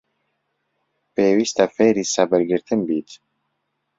پێویستە فێری سەبرگرتن بیت.